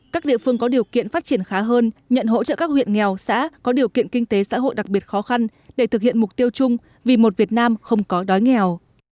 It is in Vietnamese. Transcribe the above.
các địa phương có điều kiện phát triển khá hơn nhận hỗ trợ các huyện nghèo xã có điều kiện kinh tế xã hội đặc biệt khó khăn để thực hiện mục tiêu chung vì một việt nam không có đói nghèo